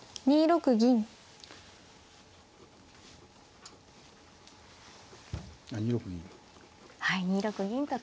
２六銀か。